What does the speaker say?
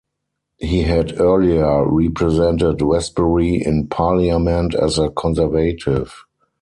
He had earlier represented Westbury in Parliament as a Conservative.